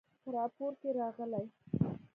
په راپور کې راغلي